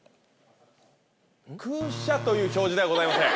空車という表示ではございません。